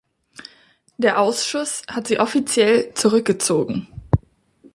Der Ausschuss hat sie offiziell zurückgezogen.